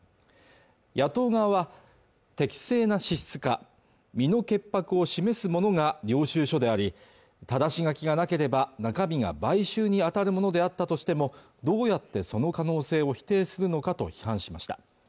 野党側は適正な支出か身の潔白を示すものが領収書でありただし書きがなければ中身が買収に当たるものであったとしてもどうやってその可能性を否定するのかと批判しました